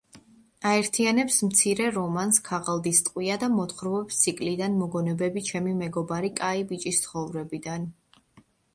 აერთიანებს მცირე რომანს „ქაღალდის ტყვია“ და მოთხრობებს ციკლიდან „მოგონებები ჩემი მეგობარი კაი ბიჭის ცხოვრებიდან“.